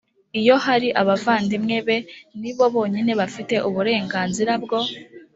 iyo hari abavandimwe be ni bo bonyine bafite uburenganzira bwo